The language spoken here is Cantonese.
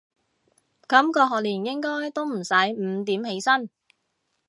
今個學年應該都唔使五點起身